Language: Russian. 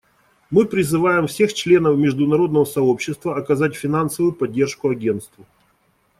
Мы призываем всех членов международного сообщества оказать финансовую поддержку Агентству.